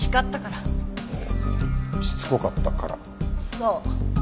そう。